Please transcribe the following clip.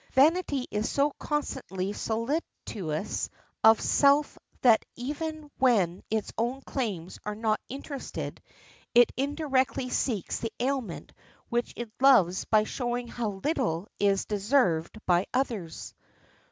Vanity is so constantly solicitous of self that even where its own claims are not interested it indirectly seeks the aliment which it loves by showing how little is deserved by others.